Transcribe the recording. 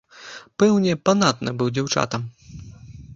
Пэўне, панадны быў дзяўчатам.